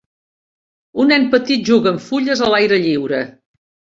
Un nen petit juga amb fulles a l'aire lliure.